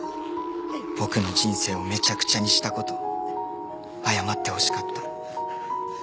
「僕の人生をめちゃくちゃにしたこと謝ってほしかった」